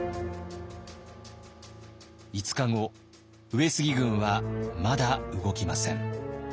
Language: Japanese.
５日後上杉軍はまだ動きません。